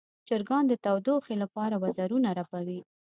چرګان د تودوخې لپاره وزرونه رپوي.